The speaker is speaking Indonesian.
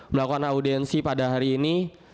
melakukan audiensi pada hari ini